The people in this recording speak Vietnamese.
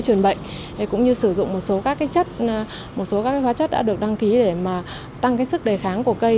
truyền bệnh cũng như sử dụng một số các cái chất một số các cái hóa chất đã được đăng ký để mà tăng cái sức đề kháng của cây